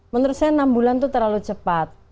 menurut saya enam bulan itu terlalu cepat